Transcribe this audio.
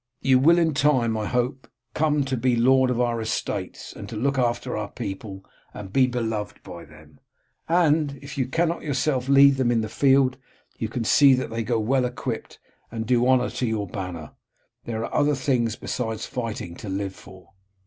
You will in time, I hope, come to be lord of our estates and to look after our people, and be beloved by them; and, if you cannot yourself lead them in the field, you can see that they go well equipped, and do honour to your banner. There are other things besides fighting to live for."